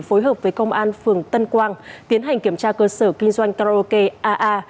phối hợp với công an phường tân quang tiến hành kiểm tra cơ sở kinh doanh karaoke aa